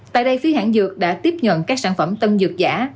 tại đây phía hãng dược đã tiếp nhận các sản phẩm tân dược giả